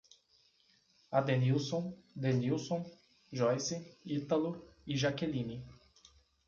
Adenílson, Denílson, Joice, Ítalo e Jaqueline